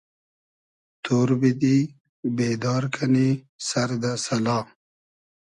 تۉر بیدی , بېدار کئنی سئر دۂ سئلا